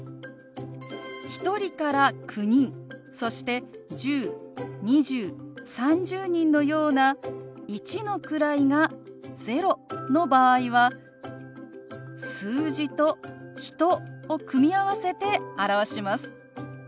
１人から９人そして１０２０３０人のような一の位が０の場合は「数字」と「人」を組み合わせて表します。